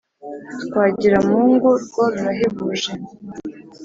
twagiramungu rwo rurahebuje.